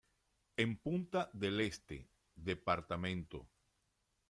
En Punta del Este, Dpto.